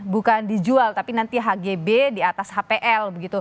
bukan dijual tapi nanti hgb di atas hpl begitu